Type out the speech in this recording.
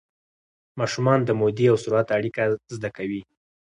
ماشومان د مودې او سرعت اړیکه زده کوي.